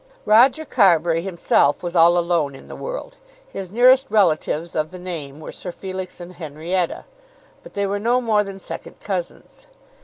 Roger Carbury himself was all alone in the world. His nearest relatives of the name were Sir Felix and Henrietta, but they were no more than second cousins.